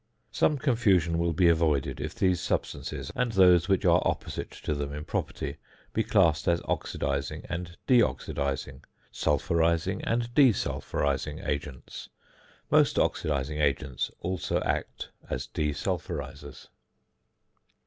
Some confusion will be avoided if these substances and those which are opposite to them in property be classed as oxidising and de oxidising, sulphurising, and de sulphurising agents. Most oxidising agents also act as de sulphurisers.